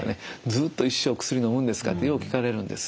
ずっと一生薬のむんですかってよう聞かれるんです。